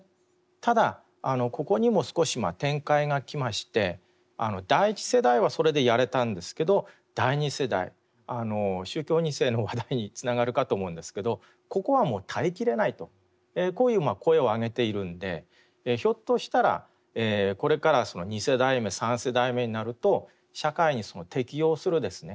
ただここにも少し展開がきまして第１世代はそれでやれたんですけど第２世代宗教２世の話題につながるかと思うんですけどここはもう耐えきれないとこういう声を上げているんでひょっとしたらこれから２世代目３世代目になると社会に適応するですね